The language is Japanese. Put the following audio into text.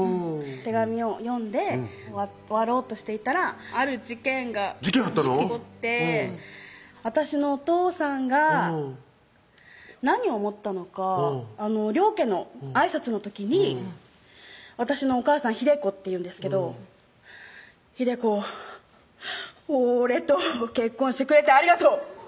手紙を読んで終わろうとしていたらある事件が起こって私のお父さんが何を想ったのか両家のあいさつの時に私のお母さんひで子っていうんですけど「ひで子俺と結婚してくれてありがとう」